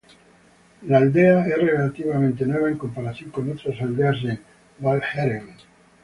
La aldea es relativamente nueva en comparación con otras aldeas en Walcheren.